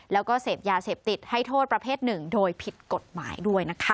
แล้วก็เสพยาเสพติดให้โทษประเภทหนึ่งโดยผิดกฎหมายด้วยนะคะ